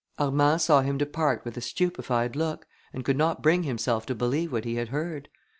Armand saw him depart with a stupified look, and could not bring himself to believe what he had heard.